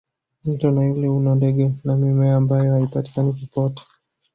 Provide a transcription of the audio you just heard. mto naili una ndege na mimea ambayo haipatikani popote